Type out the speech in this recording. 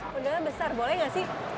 modalnya besar boleh nggak sih